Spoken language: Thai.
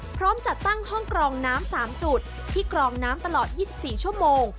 พร้อมจัดตั้งห้องกรองน้ำ๓จุดที่กรองน้ำตลอด๒๔ชั่วโมง